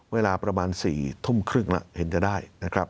เวลาประมาณ๔ทุ่มครึ่งเห็นจะได้